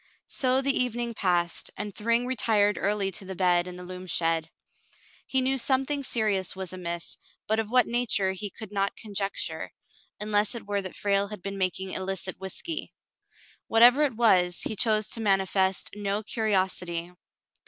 So the evening passed, and Thryng retired early to the bed in the loom shed. He knew something serious was amiss, but of what nature he could not conjecture, unless it were that Frale had been making illicit whiskey. What ever it was, he chose to manifest no curiosity.